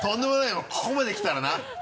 もうここまで来たらな。